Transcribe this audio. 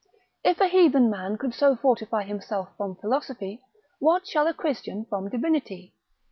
If a heathen man could so fortify himself from philosophy, what shall a Christian from divinity?